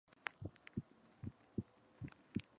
Their warpath has reached the shores of the Pacific.